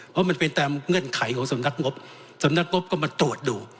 เพราะมันเป็นตามเงื่อนไขของสำนักงบสำนักงบก็มาตรวจดู